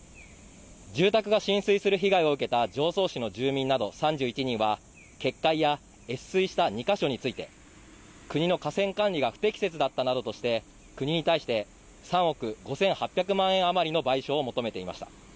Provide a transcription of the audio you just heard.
住宅が浸水する被害を受けた常総市の住民など３１人は決壊や越水した２か所について国の河川管理が不適切だったなどとして国に対して３億５８００万円余りの賠償を求めていました。